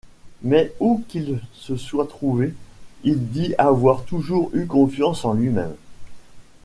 Mais où qu’il se soit trouvé, il dit avoir toujours eu confiance en lui-même.